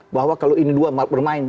bahwa kalau ini dua bermain